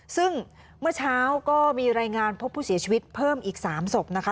ซึ่งเมื่อเช้าก็มีรายงานพบผู้เสียชีวิตเพิ่มอีก๓ศพนะคะ